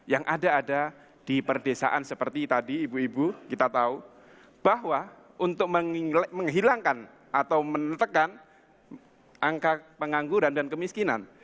yang ada ada di perdesaan seperti tadi ibu ibu kita tahu bahwa untuk menghilangkan atau menekan angka pengangguran dan kemiskinan